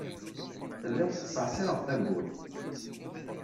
Telliḍ tettṣeɛṣiɛeḍ tawwurt.